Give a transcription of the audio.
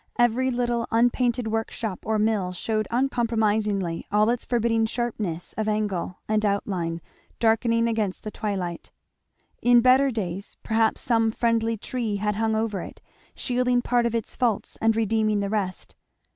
Every little unpainted workshop or mill shewed uncompromisingly all its forbidding sharpness of angle and outline darkening against the twilight. In better days perhaps some friendly tree had hung over it, shielding part of its faults and redeeming the rest.